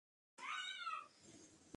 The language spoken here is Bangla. বুঝছো না কেন?